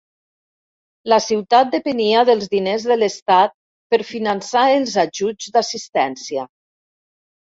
La ciutat depenia dels diners de l'estat per finançar els ajuts d'assistència.